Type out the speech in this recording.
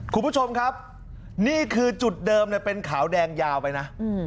คุณผู้ชมครับนี่คือจุดเดิมเป็นขาวแดงยาวไปนะ